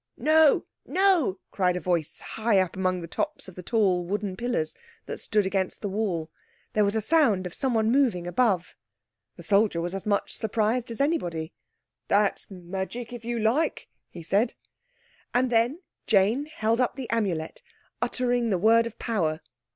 "No! no!" cried a voice high up among the tops of the tall wooden pillars that stood against the wall. There was a sound of someone moving above. The soldier was as much surprised as anybody. "That's magic, if you like," he said. And then Jane held up the Amulet, uttering the word of Power.